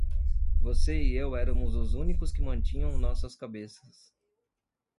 Você e eu éramos os únicos que mantinham nossas cabeças.